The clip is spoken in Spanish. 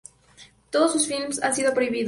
Todos sus films han sido prohibidos.